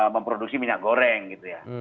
memproduksi minyak goreng gitu ya